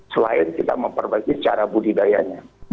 selain kita memperbaiki cara budidayanya